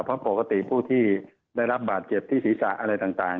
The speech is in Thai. เพราะปกติผู้ที่ได้รับบาดเจ็บที่ศีรษะอะไรต่าง